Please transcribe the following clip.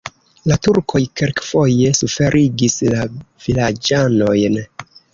La turkoj kelkfoje suferigis la vilaĝanojn.